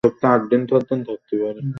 আমার তো চৈনিকাটাই বেশি পছন্দ হয়েছে।